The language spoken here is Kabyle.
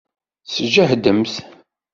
Sǧehdemt!